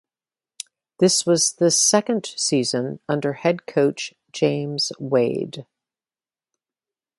This was the second season under head coach James Wade.